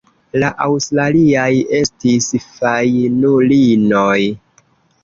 La aŭstraliaj estis fajnulinoj.